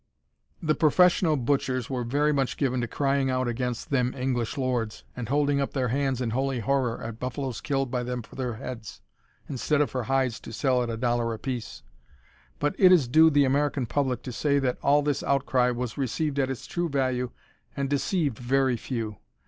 The professional butchers were very much given to crying out against "them English lords," and holding up their hands in holy horror at buffaloes killed by them for their heads, instead of for hides to sell at a dollar apiece; but it is due the American public to say that all this outcry was received at its true value and deceived very few.